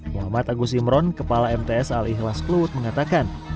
muhammad agus imron kepala mts al ikhlas kluwut mengatakan